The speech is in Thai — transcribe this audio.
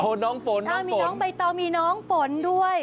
โอ้น้องฝนน้องฝนมีน้องใบต่อมีน้องฝนด้วย